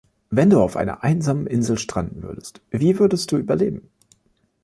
Wenn du auf einer einsamen Insel stranden würdest – wie würdest du überleben?